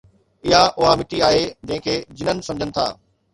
اها اُها مٽي آهي جنهن کي جنن سمجهن ٿا